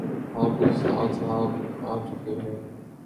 آپ کے استاد صاحب آ چکے ہیں